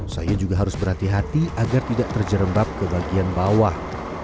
saya juga harus berhati hati agar tidak terjerembab ke bagian bawah